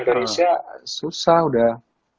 orang indonesia susah udah